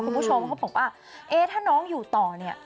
คุณผู้ชมเขาบอกว่าเอ๊ะถ้าน้องอยู่ต่อเนี่ย